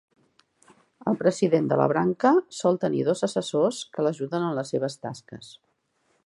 El president de la branca sol tenir dos assessors que l'ajuden en les seves tasques.